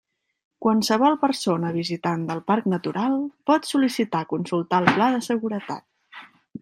Qualsevol persona visitant del Parc natural pot sol·licitar consultar el pla de seguretat.